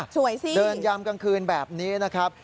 สิเดินยามกลางคืนแบบนี้นะครับ